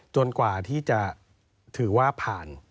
กว่าที่จะถือว่าผ่าน